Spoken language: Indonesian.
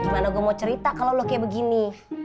gimana gue mau cerita kalo lu kayak begini